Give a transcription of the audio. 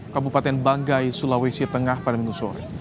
kabupaten banggai sulawesi tengah pada minggu sore